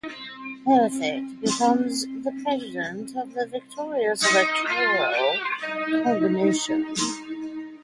Prefect becomes the president of the victorious electoral combination.